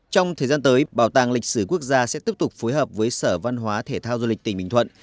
trong thời gian tới bảo tàng lịch sử quốc gia sẽ tiếp tục phối hợp với sở văn hóa thể thao du lịch tỉnh bình thuận